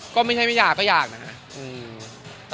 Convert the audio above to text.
ก็ไม่ใช่ไม่อยากก็อยากนะครับ